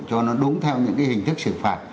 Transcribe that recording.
cho nó đúng theo những hình thức xử phạt